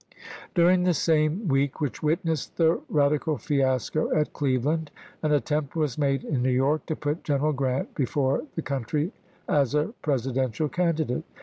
During the same week which witnessed the radi cal fiasco at Cleveland, an attempt was made in New York to put General Grant before the coun try as a Presidential candidate.